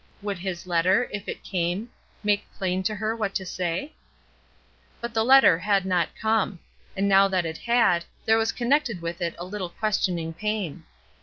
Would his letter — if it came — make plain to her what to say ? But the letter had not come; and now that it had, there was connected with it a little ques tioning pain.